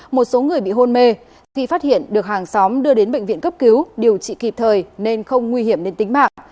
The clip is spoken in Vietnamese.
một số người bị hôn mê khi phát hiện được hàng xóm đưa đến bệnh viện cấp cứu điều trị kịp thời nên không nguy hiểm đến tính mạng